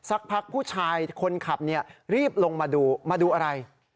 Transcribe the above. อันเดี๋ยวผู้ชายคนขับเนี่ยรีบลงมาเดู๋มาดูอะไรนะครับ